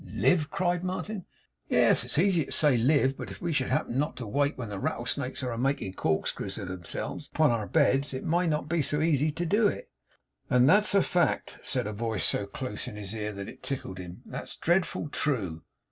'Live!' cried Martin. 'Yes, it's easy to say live; but if we should happen not to wake when rattlesnakes are making corkscrews of themselves upon our beds, it may be not so easy to do it.' 'And that's a fact,' said a voice so close in his ear that it tickled him. 'That's dreadful true.